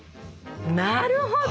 なるほど！